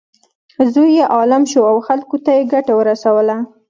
زوی یې عالم شو او خلکو ته یې ګټه ورسوله.